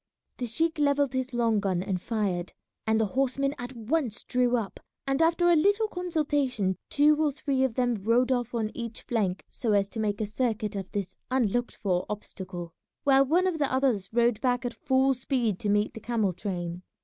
The sheik levelled his long gun and fired, and the horsemen at once drew up, and after a little consultation two or three of them rode off on each flank so as to make a circuit of this unlooked for obstacle, while one of the others rode back at full speed to meet the camel train.